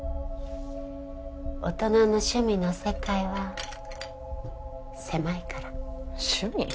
大人の趣味の世界は狭いから趣味？